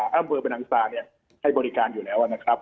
ห้ามเมืองบันดังสตราให้บริการอยู่แล้วนะครับ